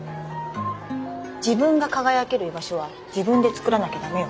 自分が輝ける居場所は自分で作らなきゃダメよ？